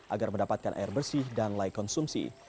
agar mendapatkan air bersih dan laik konsumsi